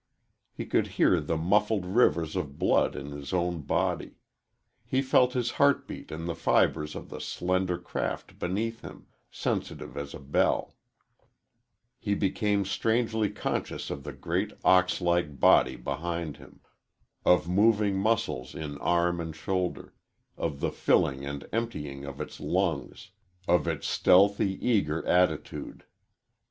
He could hear the muffled rivers of blood in his own body; he felt his heart beat in the fibres of the slender craft beneath him, sensitive as a bell; he became strangely conscious of the great, oxlike body behind him of moving muscles in arm and shoulder, of the filling and emptying of its lungs, of its stealthy, eager attitude.